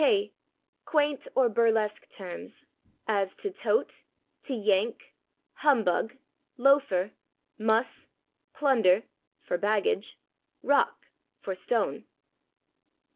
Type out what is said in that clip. k. "Quaint or burlesque terms," as to /tote/, /to yank/; /humbug/, /loafer/, /muss/, /plunder/ (for /baggage/), /rock/ (for /stone